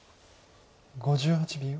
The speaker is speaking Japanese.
５８秒。